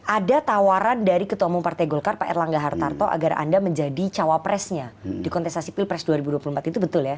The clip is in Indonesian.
ada tawaran dari ketua mempertegol golkar pak erlangga ertarto agar anda menjadi cawapresnya di kontesan sipil pres dua ribu dua puluh empat itu betul ya